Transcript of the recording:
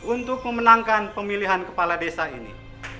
untuk memenangkan pemilihan kepala desa ini